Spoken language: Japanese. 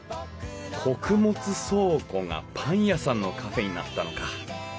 穀物倉庫がパン屋さんのカフェになったのか。